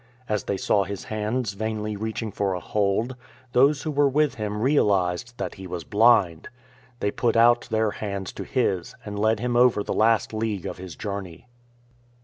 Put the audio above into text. As they saw his hands vainly reaching for a hold, those who were THE GREAT ADVENTURE 81 with him realised that he was blind. They put out their hands to his, and led him over the last league of his journey.